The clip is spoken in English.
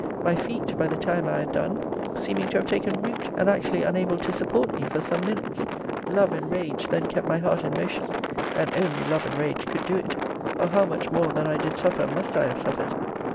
My feet, by the time I had done, seeming to have taken root, and actually unable to support me for some minutes! Love and rage then kept my heart in motion, [and only love and rage could do it,] or how much more than I did suffer must I have suffered!